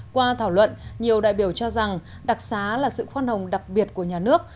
qua thảo luận nhiều đại biểu cho rằng đặc xá là sự khoan hồng đặc biệt của nhà nước